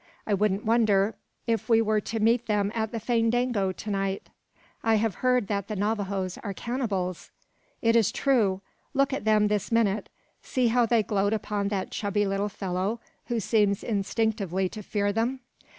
I wouldn't wonder it we were to meet them at the fandango to night." "I have heard that the Navajoes are cannibals." "It is true. Look at them this minute! See how they gloat upon that chubby little fellow, who seems instinctively to fear them.